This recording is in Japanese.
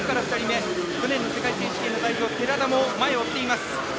去年の世界選手権の代表・寺田も前を追っています。